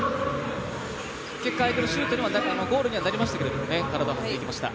結果、相手のゴールにはなりましたけれども体を張っていきました。